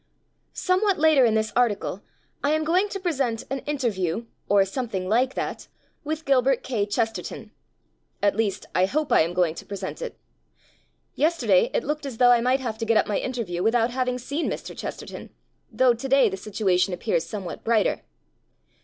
SOMEWHAT later in this article I am going to present an "inter view*' (or something like that) with Gilbert K Chesterton. At least I hope I am going to present it. Yesterday it looked as though I might have to get up my interview without having seen Mr. Chesterton. Though today the situation appears somewhat brighter.